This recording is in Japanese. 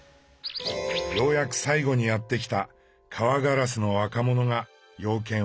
ようやく最後にやって来たカワガラスの若者が用件を聞き終え